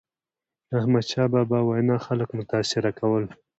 د احمدشاه بابا وینا خلک متاثره کول.